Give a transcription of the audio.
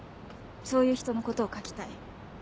そういう人のことを書きたい。